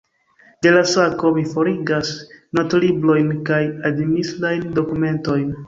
De la sako, mi forigas notlibrojn kaj administrajn dokumentojn.